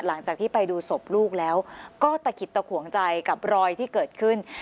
หลังจากที่ไปดูศพลูกแล้วก็ตะขิดตะขวงใจกับรอยที่เกิดขึ้น